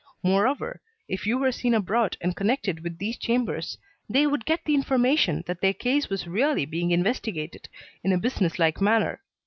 Moreover, if you were seen abroad and connected with these chambers, they would get the information that their case was really being investigated in a businesslike manner.